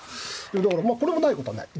だからこれもないことはない。